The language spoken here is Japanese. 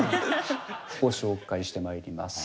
ご紹介してまいります。